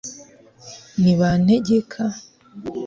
ntibantegeka